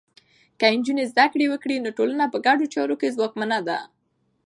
که نجونې زده کړه وکړي، نو ټولنه په ګډو چارو کې ځواکمنه ده.